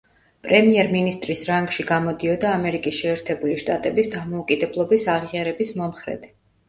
პრემიერ-მინისტრის რანგში გამოდიოდა ამერიკის შეერთებული შტატების დამოუკიდებლობის აღიარების მომხრედ.